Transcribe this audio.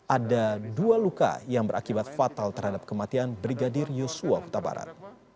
ada dua luka yang berakibat fatal terhadap kematian brigadir yosua huta barat